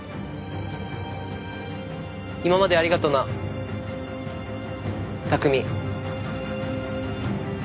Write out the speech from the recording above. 今までありがとな拓海。